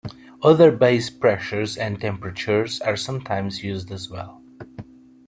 Other base pressures and temperatures are sometimes used as well.